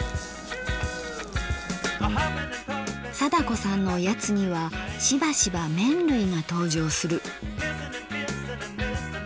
貞子さんのおやつにはしばしば麺類が登場する。